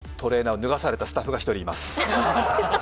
このトレーナー、脱がされたスタッフが１人います。